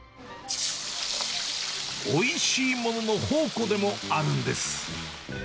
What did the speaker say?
おいしいものの宝庫でもあるんです。